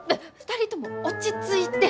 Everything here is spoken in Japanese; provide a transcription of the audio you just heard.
２人とも落ち着いて。